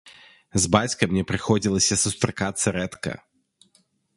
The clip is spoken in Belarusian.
З бацькам мне прыходзілася сустракацца рэдка.